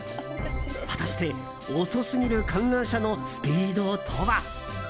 はたして遅すぎる観覧車のスピードとは。